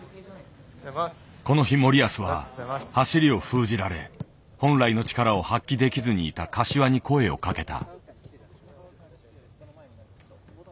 この日森保は走りを封じられ本来の力を発揮できずにいた柏に声をかけた。